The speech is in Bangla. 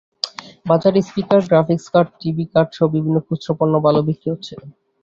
বাজারে স্পিকার, গ্রাফিকস কার্ড, টিভি কার্ডসহ বিভিন্ন খুচরা পণ্য ভালো বিক্রি হচ্ছে।